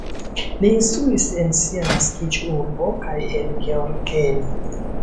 Li instruis en sia naskiĝurbo kaj en Gheorgheni.